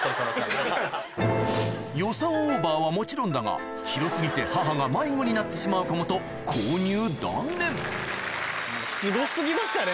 予算オーバーはもちろんだが広過ぎて母が迷子になってしまうかもとすご過ぎましたね。